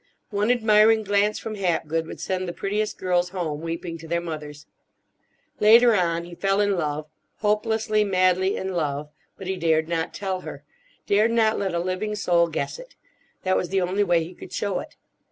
One admiring glance from Hapgood would send the prettiest girls home weeping to their mothers. Later on he fell in love—hopelessly, madly in love. But he dared not tell her—dared not let a living soul guess it. That was the only way he could show it.